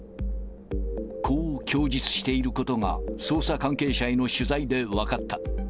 こう供述していることが捜査関係者への取材で分かった。